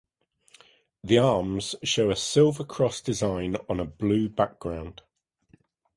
The arms show a silver cross design on a blue background.